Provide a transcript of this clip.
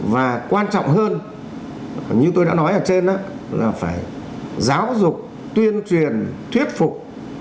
và quan trọng hơn như tôi đã nói ở trên là phải giáo dục tuyên truyền thuyết phục